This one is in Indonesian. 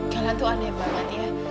jalan tuh aneh banget ya